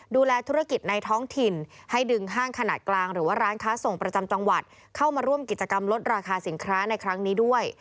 ดูแลธุรกิจในท้องถิ่นให้ดึงห้างขนาดกลางหรือว่าร้านค้าส่งประจำจังหวัดเข้ามาร่วมกิจกรรมลดราคาสินค้าในครั้งนี้ด้วย